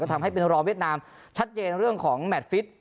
ทำให้เป็นรอเวียดนามชัดเจนเรื่องของแมทฟิต